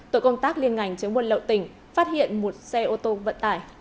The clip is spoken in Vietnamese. tội công tác liên ngành chống buôn lậu tỉnh phát hiện một xe ô tô vận tải